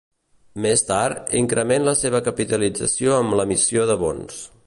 Més tard, increment la seva capitalització amb l'emissió de bons.